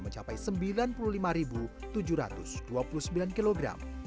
mencapai sembilan puluh lima tujuh ratus dua puluh sembilan kg